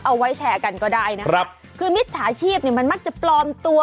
เอาไว้แชร์กันก็ได้นะครับคือมิจฉาชีพเนี่ยมันมักจะปลอมตัว